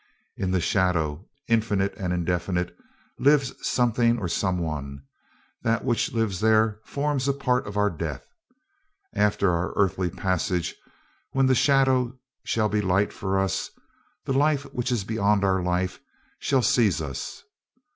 In the shadow, infinite and indefinite, lives something or some one; but that which lives there forms part of our death. After our earthly passage, when that shadow shall be light for us, the life which is beyond our life shall seize us.